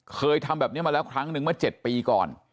เคยทำแบบนี้มาแล้วครั้งนึงเมื่อ๗ปีก่อน